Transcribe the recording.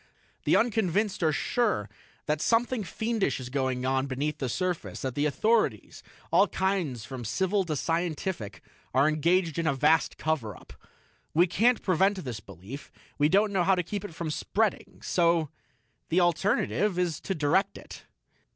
The unconvinced are sure that something fiendish is going on beneath the surface, that the authorities all kinds from civil to scientific are engaged in a vast cover up. We can't prevent this belief; we don't know how to keep it from spreading. So the alternative is to direct it."